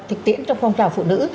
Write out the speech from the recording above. thực tiễn trong phong trào phụ nữ